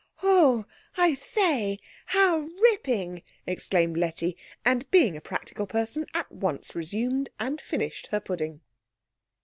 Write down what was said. "Oh, I say how ripping!" exclaimed Letty; and being a practical person at once resumed and finished her pudding.